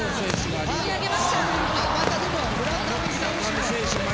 あっまたでも村上選手も。